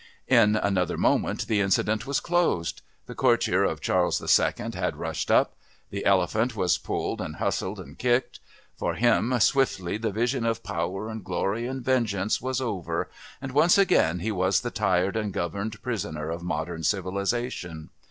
In another moment the incident was closed. The courtier of Charles II. had rushed up; the elephant was pulled and hustled and kicked; for him swiftly the vision of power and glory and vengeance was over, and once again he was the tied and governed prisoner of modern civilisation.